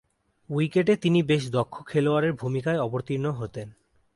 উইকেটে তিনি বেশ দক্ষ খেলোয়াড়ের ভূমিকায় অবতীর্ণ হতেন।